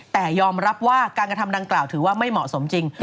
แต่ยอมรับว่าการกระทำดังกล่าวถือว่าไม่เหมาะสมจริง